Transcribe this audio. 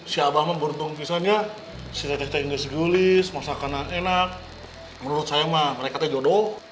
si abah mah beruntung pisangnya si teteh teteh inges gelis masakanan enak menurut saya mah mereka tuh jodoh